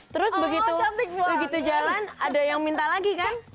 terus begitu jalan ada yang minta lagi kan